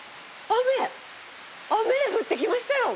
雨降ってきましたよ。